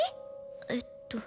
えっと